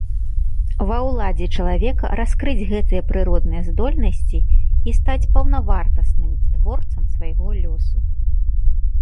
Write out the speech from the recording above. Ва ўладзе чалавека раскрыць гэтыя прыродныя здольнасці і стаць паўнавартасным творцам свайго лёсу.